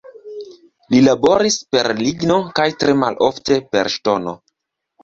Li laboris per ligno kaj tre malofte per ŝtono.